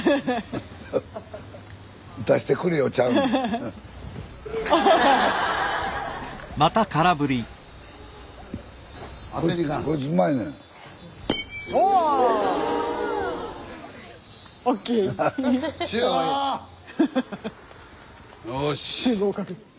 よし。